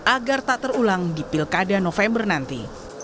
agar tak terulang di pilkada november nanti